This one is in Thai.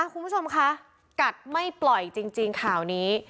คุณผู้ชมคะกัดไม่ปล่อยจริงข่าวนี้